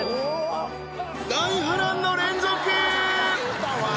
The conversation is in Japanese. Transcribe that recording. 大波乱の連続！